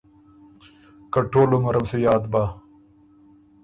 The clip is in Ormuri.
که ټول عمرم سُو یاد بۀ۔